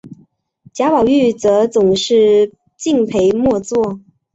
贾宝玉则总是敬陪末座。